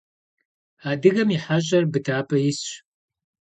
Адыгэм и хьэщӏэр быдапӏэ исщ.